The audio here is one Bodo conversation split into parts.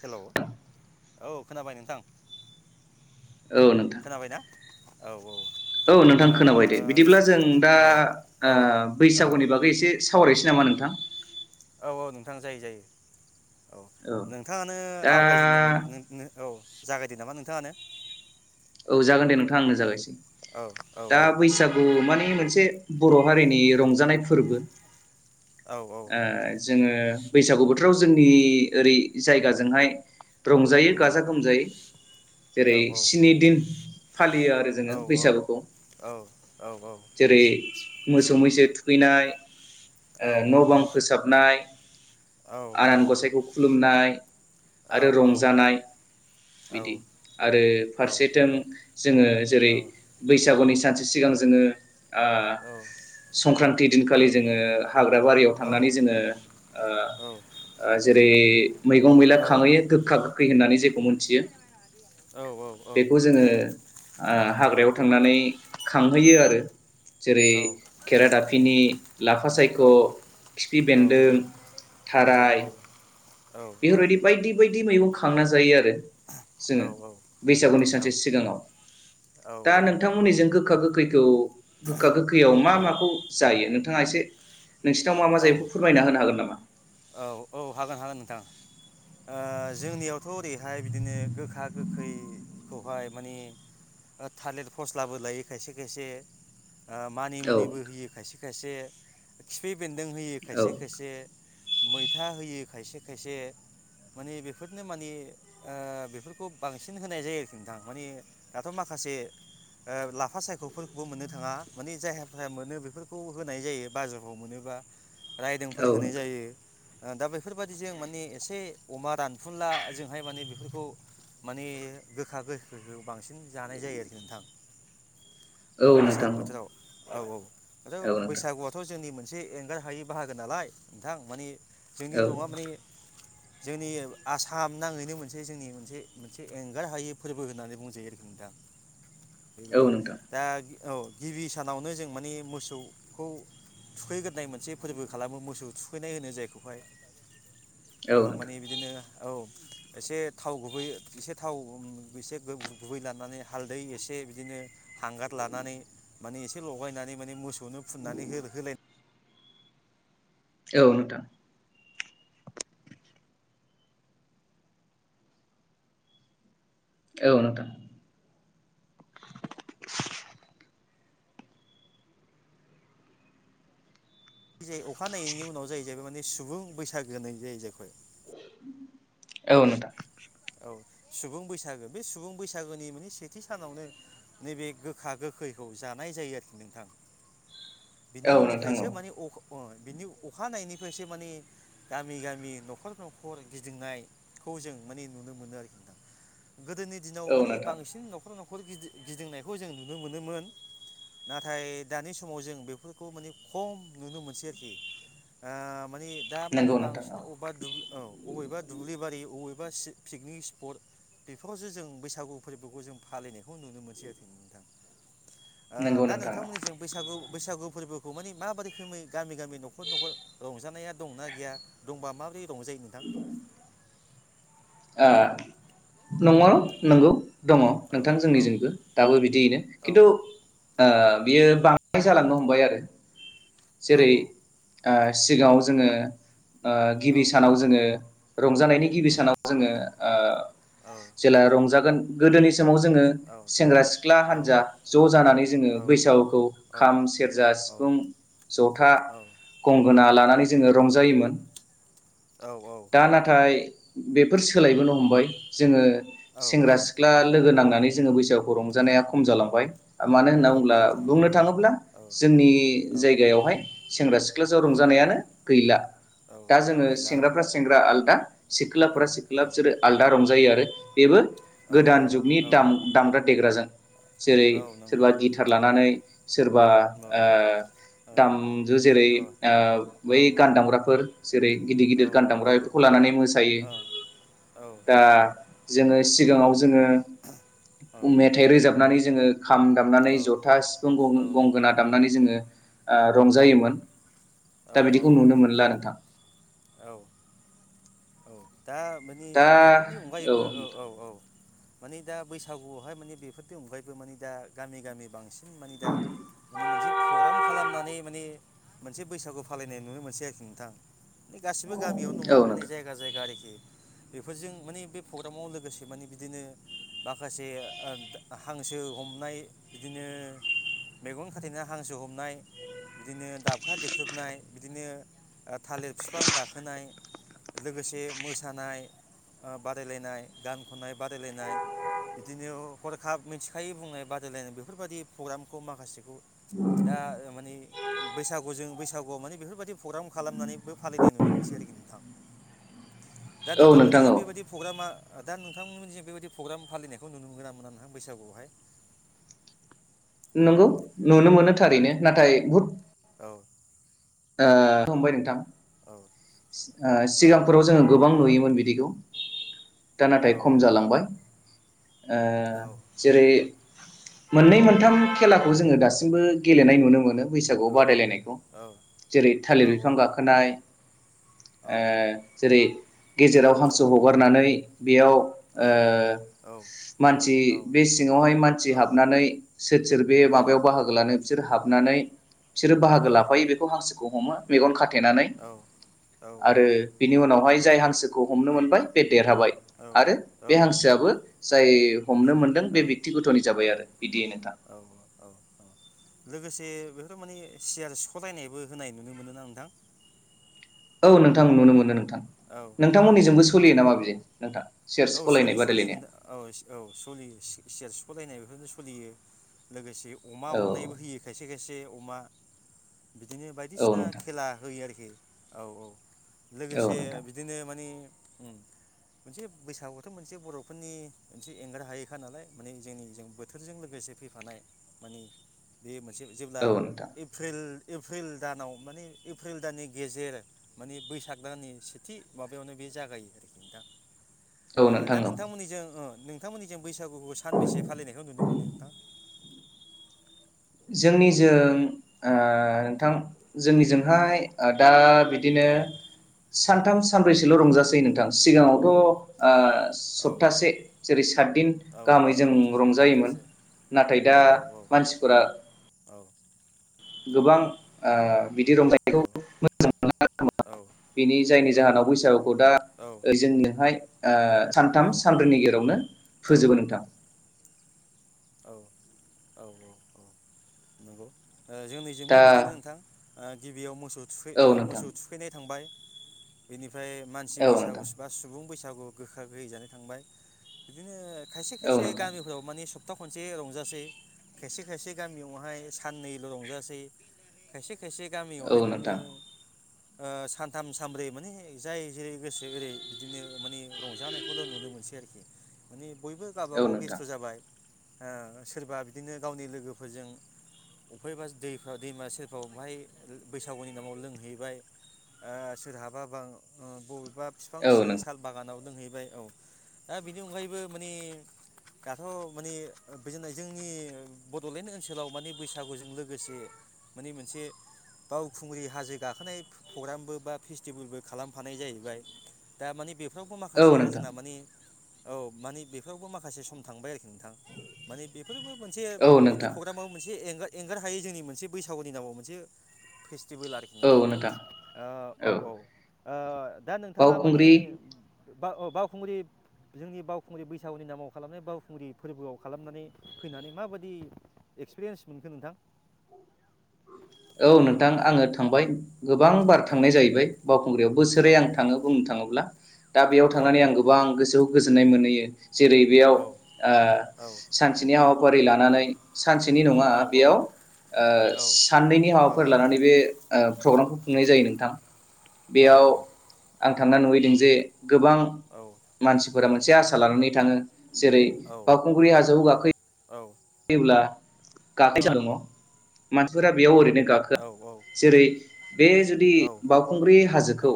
हेलौ औ खोनाबाय नोंथां। औ नोंथां खोनाबायना औ औ औ नोंथां खोनाबाय दे बिदिब्ला जों दा औ ओ औ बैसागुनि बागै एसे सावरायनोसै नामा नोंथां? औ औ नोंथां जायो जायो। औ नोंथांङानो दा आवगायजेनदों मोन औ जागायदो नामा नोंथांङानो औ जागोन दे नोंथां आंनो जागायसै औ औ दा दे बैसागु माने मोनसे बर' हारिनि रंजानाय फोरबो औ औ ओ जोङो बैसागु बोथोराव जोंनि ओरै जायगाजोंहाय रंजायो उम गाजा गोमजायै औ जेरै औ स्नि दिन। फालियो आरो औ जोङो औ बैसागुखौ औ जेरै मोसौ मैसो थुखैनाय ओ औ। न' बां फोसाबनाय आनान औ औ गसाइखौ खुलुमनाय आरो रंजानाय बिदि आरो फारसेथिं जोङो जेरै बैसागुनि सानसे सिगां जोङो ओ संक्रान्ति दिनखालि जोङो हाग्रा हाग्रा बारिआव थांनानै जोङो ओ ओ जेरै मैगं मैला खांहैयो गोखा गोखै होन्नानै जे खौ मिथियो। बेखौ औ जोङो ओ हाग्रायाव थांनानै खांहैयो आरो जेरै खेरा दाफिनि लाफा सायख' थ' खिफि बेन्दों थाराय बेफोरबायदि बायदि बायदि दि मैगं खांना जायो आरो। जोङो औ औ बैसागुनि औ सानसे सिगांङाव दा नोंथांमोननि जों गो खा गोखैखौ गोखा गोखैआव मा औ माखौ जायो नों थाङा एसे नोंसिनाव मा मा औ जायोै बेखौ फोरमायना होनो हागोन नामा? औ औ हागोन हागोन नोंथां ओ जोंनियावथ' ओरैहाय बिदिनो गोखा गोखैखौहाय माने थालिर फस्लाबो लायो खायसे खायसे ओ औ मानिमुनिबो होयो खायसे खायसे बेदों होयो औ खायसे खायसे मैथा होयो। खायसे खायसे मानि बेफोरनो मानि ओ बेफोरखौ बांसिन होनाय जायो आरोखि नोंथां मानि दाथ' माखासे ओ लाफा सायख'फोरखौबो मोननो थाङा मानि जायहा मोनो बेफोरखौ होनाय जायो बाजोब [unintelligible] मोनोबा रायदोंफोर औ होनाय नोंथां जायो दा बेफोरबायाददिजों माने एसे अमा रानफुनला जोंहाय माने बेफोरखौ माने गोखा गोखैखौ बांसिन जानाय जायो आरोखि नोंथां। औ ओ बैसागु नोंथां बोथोराव। औ औ औ। आरो औ नोंथां बैसागुआथ' जोंनि मोनसे एंगार हायै बाहागो नालाय नोंथां मानि औ जोंनिल' नङा माने जोंनि आसाम नाङैनो मोनसे जोंनि मोनसे मोनसे एंगार हायै फोरबो होननानै बुंजायो आरोखि नोंथां। बेबायदि औ नोंथां दा औ गिबि सानावनो जों माने मोसौखौ थुखैग्रोनाय मोनसे फोरबो खालामो मोसौ थुखैनाय होनो जायखौहाय औ नोंथां ओ औ नोंथां औ नोंथां माने औ बिदिनो औ एसे थाव गुबै एसे थाव एसे गुबै लानानै हालदै एसे बिदिनो हांगार लानानै माने एसे लगायनानै माने मोसौ खौनो फुननानै हो औ नोंथां औ नोंथां जे अखानायनायनि उनाव जाहैबाय नि सुबुं बैसागो जायो जाहैबाय औ नोंथां औ सुबुं बैसागो बे सुबुं बैसागोनि माने सेथि सानावनो नैबे गोखा गोखैखौ जानाय जायो आरोखि नोंथां बिनि उननिफ्रायसो माने अ अ बिनि अखानायनिफ्रायसो माने गामि गामि न'खर न'खर गिदिंनायखौ जों माने नुनो मोनो आरोखि नोंथां गोदोनि दिनाव मानि औ बांसिन न'खर न'खर न'खर गि गिदिंनायखौ जों नुनो मोनोमोन नाथाय दानि समाव जों बेफोरखौ माने खम नुनो मोनसै आरोखि ओ मानि दा मानि नंगौ नोंथां बांसिन औ अबा दुब औ अबेबा दुब्लिबारि अबे- बा सि पिकनिक स्पट बेफोरावसो जों बैसागु फोरबोखौ जों फालिनायखौ नुनो मोनसै आरोखि नोंथां आ नंगौ दा नोंथां नोंथांमोननि जों बैसागौ बैसागो फोरबोखौ माने माबा रोखोमै गामि गामि न'खर न'खर रंजानाया दंनाा गैया दंबा माबोरै रंजायो नोंथां ओ नंमारगौ नंगौ दङ औ नोंथां औ जोंनिजोंबो दाबो बिदियैनो औ औ खिन्थु ओ बियो बां द्राय जालांनो हमबाय आरो जेरै औ आ सिगाङाव जोङो आ गिबि औ सानाव जोङो रंजानायनि गिबि सानाव जोङो आ जेला रंजागोन गोदोनि स माव जोङो औ औ सेंग्रा सिख्ला औ हानजा ज' जानानै जोङो बैसागुखौ खाम सेरजा सिफुं जथा गंगोना लानानै जोङो रंजायोमोन दा नाथाय बेफोर सोलायबोनो हमबाय जोङो औ सेंग्रा सिख्ला औ लोगो नांनानै जोङो बैसागोखौ रं जानाया खम जालांबाय मानो होनना औ बुङोब्ला खम बुंनो जालांबाय औ थाङोब्ला जोंनि औ जायगायावहाय सेंग्रा सिख्लाजों रंजानायानो गैला औ दा जोङो गैला औ सेंग्राफ्रा सेंग्रा आलदा औ सिख्लाफ्रा औ सिख्ला बिसोरो आलदा रंजायो आरो [unintelligible] बेबो औ गोदान जुगनि औ दाम-दामग्रा देग्राजों जेरै औ नंगौ सोरबा नंगौ गिटार औ लानानै सोरबा ओ औ दामजु जेरै ओ ओ ओ बै गान दामग्राफोर जेरै गिदिर औ गिदिर ओ गानदामग्रा बिफोरखौ लानानै मोसा- यो औ औ दा जोंङो सिगांङाव जोंङो उम मेथाइ रोजाब- नानै जोंङो खाम दामनानै जथा सिफुं औ गं-गंगोना दामनानै जोंङो [inaudible] आ रंजायोमोन दा बिदिखौ नुनो मोनला नोंथां औ दा माने दा बेफोरनि अनगायैबो औ औ औ माने दा बैसागुआवहाय माने बेफोरनि अनगायैबो माने दा गामि गामि बांसि- मानि दा माने मोनसे प्रग्राम खालामनानै माने मोनसे बैसागु फालिनाय नुनो मोनसै आरोखि नोंथां गासिबो गामियाव औ नंङा माने नोंथां जायगा जायगा आरोखि बेफोरजों माने बे प्रग्रामाव लोगोसे माने बिदिनो माखासे हांसो हमनाय बिदिनो मेगन खाथेना हांसो हमनाय बिदिनो दाबखा देख्रुबनाय बिदिनो थालिर बिफां गाखोनाय लोगोसे मोसानाय बादायलायनाय गान खननाय बादायलायनाय बिदिनो हरखाब मिथिखायै बुंनाय बादायलायनाय बेफोरबायादि प्रग्रामखौ माखासेखौ दा माने बैसागुजों बैसागु अ माने बेफोरबायदि प्रग्राम खालामनानैबो फालिनाय नुनो मोनसै आरोखि नोंथां दा औ नोंथां नोंथांमोननिजों औ बेबायदि प्रग्रामा दा नोंथांमोननि जों बेबायदि प्रग्राम फालिनायखौ नुनो मोना मोना नोंथां बैसागुआवहाय नंगौ नुनो मोनो थारैनो नाथाय बहुत औ हमबाय नोंथां औ [unintelligible] ओ औ औ सिगांफोराव जोंङो गोबां नुयोमोन बिदिखौ दा नाथाय खम जालांबाय ओ औ जेरै मोननै मोनथाम खेलाखौ जोंङो दासिमबो गेलेनाय नुनो मोनो बैसागु औ बादायलायनायखौ जेरै औ थालिर बिफां गाखोनाय औ ओ जेरै गेजेराव हांसो हगारनानै बेयाव ओ मानसि बे सिङावहाय मानसि हाबनानै सोर सोर बे माबायाव बाहागो लानो बिसोर हाब नानै बिसोरो बाहागो लाफायो। बेखौ हांसो हमो मेगन खाथ थेनानै। आरो बिनि उनावहाय जाय हांसोखौ हमनो मोनबाय बे देरहाबाय आरो बे नंगौ हांसोआबो जाय हमनो बेनो मोनदों बे औ बेक्तिगथनि जाबाय औ आरो बिदि नोंथां। औ औ औ लोगोसे बेफोर माने सियार सिख'लायनायबो होनाय नुनो मोनोना नोंथां। औ नोंथां नुनो मोनो नोंथां औ औ औ नोंथांमोननिजोंबो सोलियो नामा बिदि नोंथां सियार औ सलायनाय सलियो सलियो बादायलायनाया नोंथां औ औ सलियो सि-सियार सिख' ख'लायनाय बेफोरनो सोलियो लोगोसे अमा औ हमनायबो होयो खायसे खायसे अमा। बिदिनो औ बायदिसिना नोंथां खेला होयो आरोखि। खि औ औ। औ एसे नोंथां बिदिनो मानि उम। मोनसे बैसागुआवथ' मोनसे बर'फोरनि मोनसे एंगार हायैखा नालाय माने जोंनि जों बोथोरजों लोगोसे फैफानाय मानि बे मोनसे जेब्ला औ नोंथां एप्रिल एप्रिल दानाव माने एप्रिल दाननि गेजेर माने बैसाग दाननि सेथि माबायावनो बे जागायो नोंथां। औ ओ नोंथां दा औ नोंथांमोननिजों उह नोंथांमोननि जों बैसागुखौ सानबेसे फालिनायखौ नुनो मोनो नोंथां? जोंनिजों उह नोंथां जोंनिजोंहाय ओ दा बिदिनो औ सानथाम सानब्रैसोल' उम रंजासै नोंथां। सिगाङावथ' उह ओ औ सप्तासे जेरै सातदिन औ गाहामै जों सप्ता रंजायोमोन। सप्तासे नाथाय दा औ औ मानसि औ औ गोबां ओ बिदि रंजानायखौ मोजां औ [unintelligible] बिनि जायनि जाहोनाव बैसागुखौ दा जोंनोहाय ओ सानथाम सानब्रैनि गेजेरावनो फोजोबो नोंथां। औ औ औ औ नंगौ। ओ जोंनिजोंबो दा बिदिनो नोंथां। ओ गिबियाव मोसौ थुखै औ ओ नोंथां मोसौ थुखैनाय थांबाय। बेनि ओमफ्राय मानसि औ बैसागु नोंथां बा सुबुं बैसागु गोखा गोखै जानाय थांबाय बिदिनो खायसे औ खायसे नोंथां गामिफोराव माने सब सपथा खनसे रंजासै खायसे खायसे गामियावहाय साननैल' रंजासै खायसे खायसे औ गामियावहाय बिदिनो नोंथां ओ सानथाम सानब्रै माने जाय जेरै गोसो एरै बिदिनो माने रंजानायखौल' नुनो मोनसै आरोखि माने बयबो औ गावबागाव नोंथां बेस्थ' जाबाय ओ सोरबा बिदिनो गावनि लोगोफोरजों अफायबा दैफोराव दैमा सेरफोराव बहाय बैसागुनि नामाव लोंहैबाय ओ सोरहाबा बा ओ बबे बा फिफां औ सिं नों साल बागानाव लोंहैबाय औ दा बेनि अनगायैबो माने दाथ' माने ओ बेजोंनो जोंनि बड'लेण्ड ओनसोलाव माने बैसागुजों लोगोसे माने मोनसे बावखुंग्रि हाजो गाखोनाय प्रग्रामबो बा फेस्टिभेलबो खालामफानाय जाहैबाय दा माने बे फ्रावबो औ माखासेया नोंथां जोंना माने औ माने बेफोरावबो माखासे सम थांबाय आरोखि नोंथां माने बेफोरबो मोनसे औ बिदि नोंथां प्रग्रामाव मोनसे [unintelligible] एंगार हायै जोंनि मोनसे बैसागुनि नामाव मोनसे फेस टिबोल आरोखि नोंथां औ औ आ दा नोंथाङा माने बावखुंग्रि बा बावखुंग्रि जोंनि बावखुंग्रि बैसागुनि नामाव खालामनाय बावखुंग्रि फोरबोआव खालामनानै फैनानै माबायदि एक्सपिरियेन्स मोनखो नोंथां? औ नोंथां आङो थांबाय। गोबां बार औ थांनाय जाहैबाय बावखुंग्रियाव औ बोसोरे आं थाङो बुंनो थाङोब्ला दा बेयाव औ थांनानै आं गोबां गोसो गोजोननाय मोनहैयो। जेरै- बेयाव औ ओ औ सानसेनि हाबाफारि लानानै सानसेनि नङा औ बेयाव ओ साननैनि हाबाफारि लानानै बे ओ प्रग्रामखौ खुंनाय जायो नोंथां बेयाव औ आं थांना नुहैदों जे गोबां मानसिफोरा मोनसे आसा लानानै थाङो जेरै बावखुंग्रि हाजोखौ औ गाखो औ योब्ला औ [unintelligible] मानसिफोरा बेयाव ओरैनो गाखोया जेरै- बे जुदि बावखुंग्रि हाजोखौ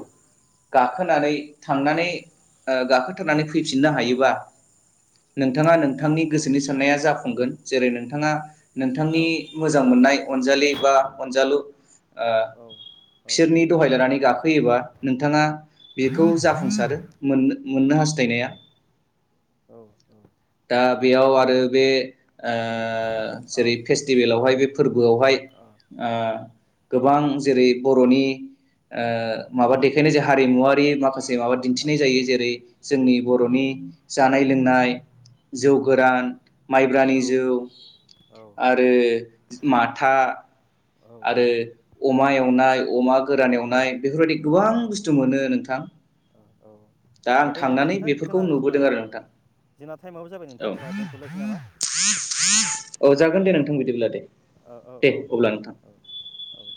गाखोनानै थांनानै ओ गाखोथारनानै फैफिननो हायोबा नोंथाङा नोंथांनि गोसोनि साननाया जाफुंगोन। जेरै नोंथाङा नोंथांनि मोजां मोननाय अनजालि बा अनजालु ओ बिसोरनि दहाय लानानै गाखोयोबा नोंथाङा बेखौ जाफुंसारो मोनो मोननो हास्थायनाया दा बेयाव आरो बे ओ जेरै फेस्टिभेलावहाय बे फोरबोआवहाय ओ औ गोबां जेरै बर'नि औ ओ माबा देखायनाय जा हारिमुवारि माखासे माबा दिन्थिनाय जायो जेरै जोंनि बर'नि जानाय लोंनाय जौ गोरान माइ माइब्रानि जौ आरो माथा आरो अमा एवनाय, अमा गोरान एवनाय बेफोरबायदि गोबां बुस्थु मोनो नोंथां दा आं दे होमबा थांनानै नोंथां बेफोरखौ जोंना औ नुबोदों आरो औ नोंथां जोंना टाइमावबो जाबाय औ नोंथां होमबा दोनथ'लायसै नामा? औ जागोन दे नोंथां बिदिब्ला दे औ औ औ दे अब्ला नोंथां औ औ दे